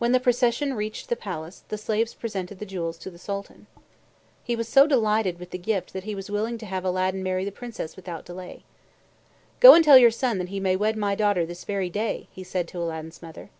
When the procession reached the palace, the slaves presented the jewels to the Sultan. He was so delighted with the gift that he was willing to have Aladdin marry the Princess without delay. "Go and tell your son that he may wed my daughter this very day," he said to Aladdin's mother.